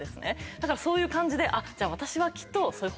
だからそういう感じで私はきっと。